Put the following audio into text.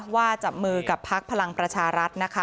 ว่าจับมือกับพักพลังประชารัฐนะคะ